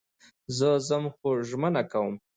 زه ځم خو ژمنه کوم